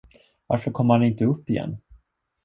Varför kommer han inte upp igen?